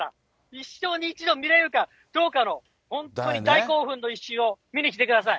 一生に一度見れるかどうかの、本当に大興奮の一瞬を見に来てください。